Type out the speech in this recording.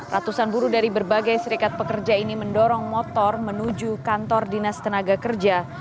ratusan buruh dari berbagai serikat pekerja ini mendorong motor menuju kantor dinas tenaga kerja